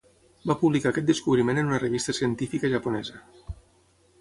Va publicar aquest descobriment en una revista científica japonesa.